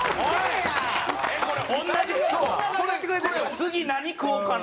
次何食おうかな？